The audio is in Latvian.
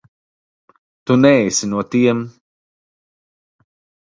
Tu neesi no tiem.